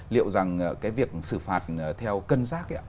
liệu rằng cái việc xử phạt theo cân rác